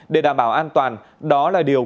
để đảm bảo an toàn đó là điều